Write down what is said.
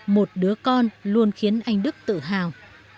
một đứa con luôn khiến anh đức tự hào